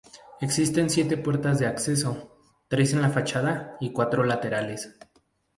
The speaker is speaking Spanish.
Existen siete puertas de acceso, tres en las fachada y cuatro laterales.